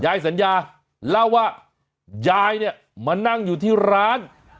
สัญญาเล่าว่ายายเนี่ยมานั่งอยู่ที่ร้าน